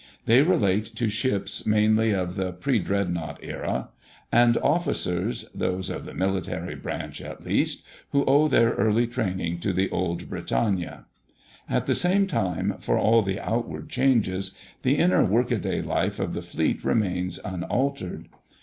They relate to ships mainly of the "pre Dreadnought" era, and officers (those of the Military branch at least) who owe their early training to the old Britannia. At the same time, for all the outward changes, the inner work a day life of the Fleet remains unaltered.